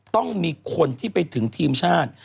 ต้องมีคนที่ไปถึงทีมชาติ